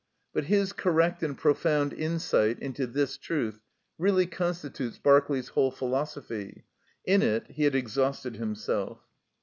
But his correct and profound insight into this truth really constitutes Berkeley's whole philosophy; in it he had exhausted himself.